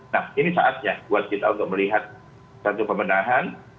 nah ini saatnya buat kita untuk melihat satu pemenahan